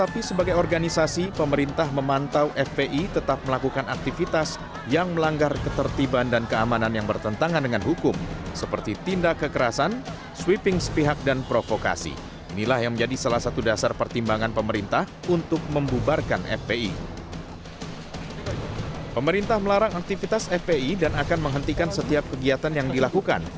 pemerintah melarang aktivitas fpi dan akan menghentikan setiap kegiatan yang dilakukan